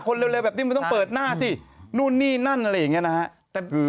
เร็วแบบนี้มันต้องเปิดหน้าสินู่นนี่นั่นอะไรอย่างนี้นะฮะ